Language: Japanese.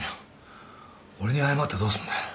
俺に謝ってどうすんだよ。